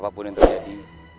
apapun yang terjadi